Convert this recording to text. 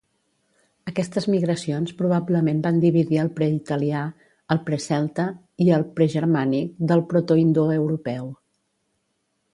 Aquestes migracions probablement van dividir el preitalià, el precelta i el pregermànic del protoindoeuropeu.